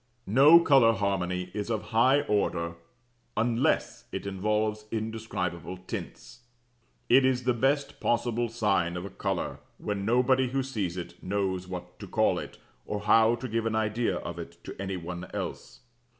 NO COLOUR HARMONY IS OF HIGH ORDER UNLESS IT INVOLVES INDESCRIBABLE TINTS. It is the best possible sign of a colour when nobody who sees it knows what to call it, or how to give an idea of it to any one else.